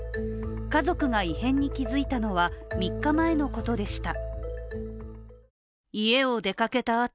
家族が異変に気づいたのは３日前のことでした。